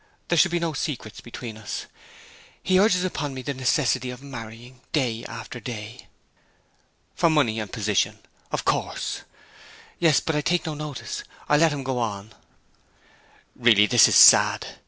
There should be no secrets between us. He urges upon me the necessity of marrying, day after day.' 'For money and position, of course.' 'Yes. But I take no notice. I let him go on.' 'Really, this is sad!'